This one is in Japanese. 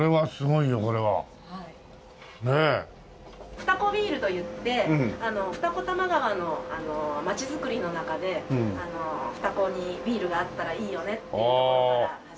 ふたこビールといって二子玉川の街づくりの中で二子にビールがあったらいいよねっていうところから始まった。